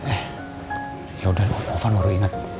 eh yaudah ovan baru ingat